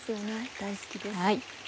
大好きです。